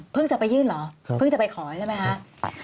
จะไปยื่นเหรอเพิ่งจะไปขอใช่ไหมคะ